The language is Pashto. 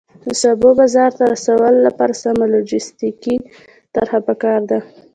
د سبو بازار ته رسولو لپاره سمه لوجستیکي طرحه پکار ده.